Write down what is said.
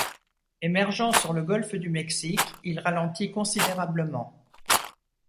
Émergeant sur le golfe du Mexique, il ralentit considérablement.